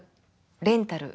“レンタル